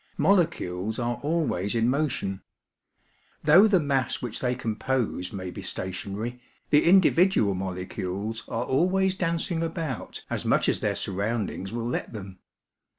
Molecules are always in motion. Though the mass which they com pose may be stationary, the individual molecules are always dancing about as much as their surroundings will let them.